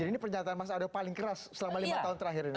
jadi ini pernyataan mas ardo paling keras selama lima tahun terakhir ini